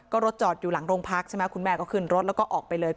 ก็รถจอดอยู่หลังโรงพักใช่ไหมคุณแม่ก็ขึ้นรถแล้วก็ออกไปเลย